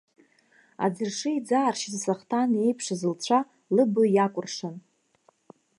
Аӡыршы иӡааршьыз асахҭан еиԥшыз лцәа, лыбаҩ иакәыршан.